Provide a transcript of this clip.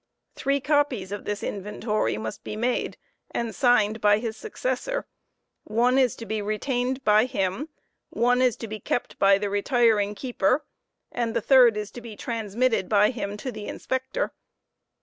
Three copies of this * PW inventory must be made and signed by his successor; one is to be retained by him one is to be kept by the retiring keeper, and the third is to be transmitted by him to the Inspector.